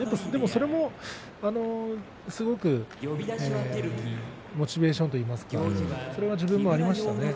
それもすごくモチベーションといいますかね自分もありましたね。